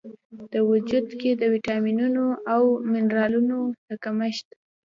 و وجود کې د ویټامینونو او منرالونو د کمښت